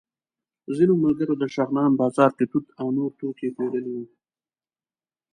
ځینو ملګرو د شغنان بازار کې توت او نور توکي پېرلي وو.